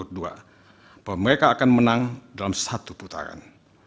bahwa mereka akan menang dalam satu putaran